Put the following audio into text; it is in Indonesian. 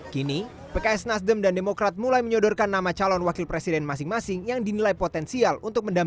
kini pks nasdem dan demokrat mulai menyodorkan nama calon wakil presiden masing masing yang dinilai potensial untuk mendapatkan